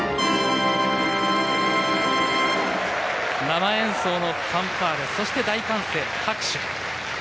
生演奏のファンファーレそして、大歓声、拍手。